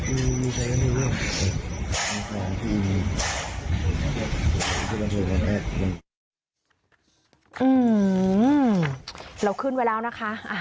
อืมเราขึ้นไว้แล้วนะคะ